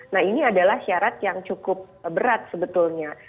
nah ini adalah syarat yang cukup berat sebetulnya